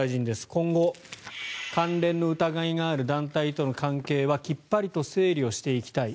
今後、関連の疑いがある団体との関係はきっぱりと整理をしていきたい